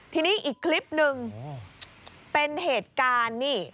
ทีนี้อีกคลิปหนึ่งเป็นเหตุการณ์นี่